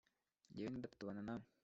Njyewe Na data tubana namwe